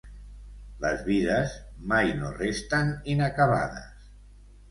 Les vides mai no resten inacabades.